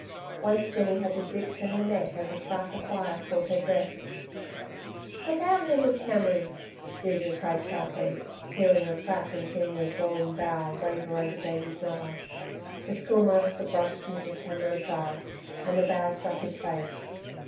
Once Jenny had to dip to her neck as a spark of fire caught her dress. "Look out, Mrs. Cameron!" Deirdre cried sharply, hearing a crack and seeing a glowing bough waver over Davey's mother. The Schoolmaster brushed Mrs. Cameron aside, and the bough struck his face.